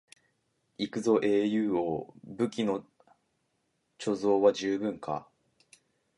行くぞ英雄王、武器の貯蔵は十分か？